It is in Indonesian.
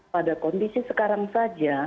pada kondisi sekarang saja